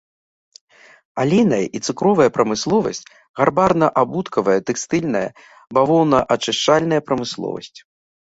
Алейная і цукровая прамысловасць, гарбарна-абутковая, тэкстыльная, бавоўнаачышчальная прамысловасць.